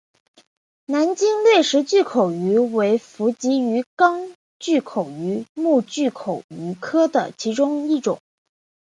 南极掠食巨口鱼为辐鳍鱼纲巨口鱼目巨口鱼科的其中一种。